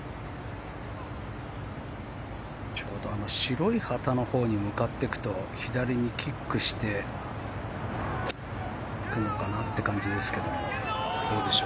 ちょうど白い旗のほうに向かっていくと左にキックしていくのかなって感じですけど。